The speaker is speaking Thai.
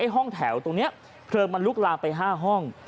ห้องแถวตรงนี้เพลิงมันลุกลามไป๕ห้อง